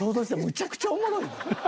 むちゃくちゃおもろいで。